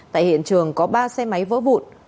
tại hiện trường có ba xe máy vỡ vụn